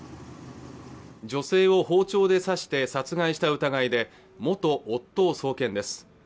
女性を包丁で刺して殺害した疑いで元夫を送検です